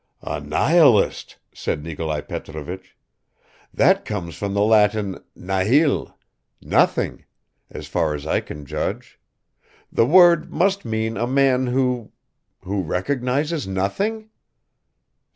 "A nihilist," said Nikolai Petrovich. "That comes from the Latin nihil, nothing, as far as I can judge; the word must mean a man who ... who recognizes nothing?"